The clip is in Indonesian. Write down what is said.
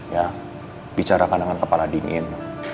ya bicarakan dengan kepala dinin